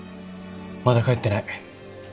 まだ帰ってない。